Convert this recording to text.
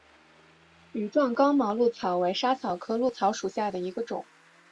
羽状刚毛藨草为莎草科藨草属下的一个种。